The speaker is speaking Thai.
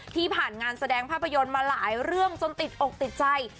ผ่านงานแสดงภาพยนตร์มาหลายเรื่องจนติดอกติดใจ